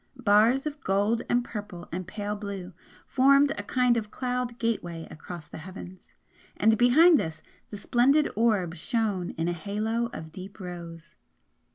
Bars of gold and purple and pale blue formed a kind of cloud gateway across the heavens, and behind this the splendid orb shone in a halo of deep rose.